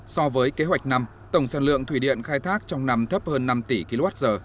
so với kế hoạch năm tổng sản lượng thủy điện khai thác trong năm thấp hơn năm tỷ kwh